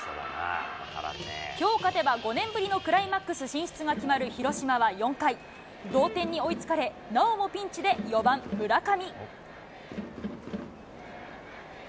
きょう勝てば５年ぶりのクライマックス進出が決まる広島は４回、同点に追いつかれ、なおもピンチで４番村上。